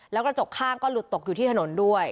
แล้วกระจกข้างก็หลุดตกอยู่ที่ถนนด้วย